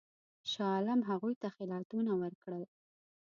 شاه عالم هغوی ته خلعتونه ورکړل.